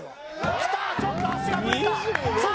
きたちょっと足がブレたさあ